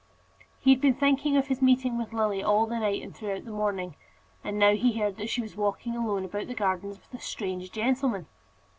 He had been thinking of his meeting with Lily all the night and throughout the morning, and now he heard that she was walking alone about the gardens with a strange gentleman.